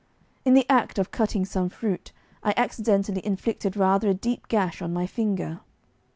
In the act of cutting some fruit I accidentally inflicted rather a deep gash on my finger.